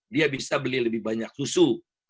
dia bisa beli lebih banyak susu